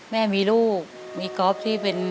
แม่มีลูกมีก๊อฟที่เป็น